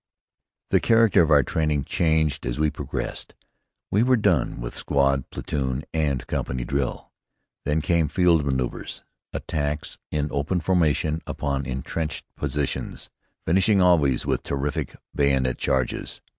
The character of our training changed as we progressed. We were done with squad, platoon, and company drill. Then came field maneuvers, attacks in open formation upon intrenched positions, finishing always with terrific bayonet charges.